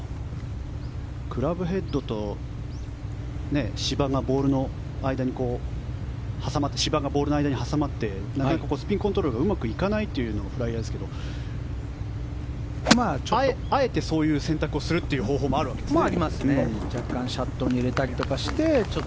クラブヘッドと芝がボールの間に挟まってスピンコントロールがうまくいかないというのがフライヤーですがあえてそういう選択をするっていう方法もあるわけですね。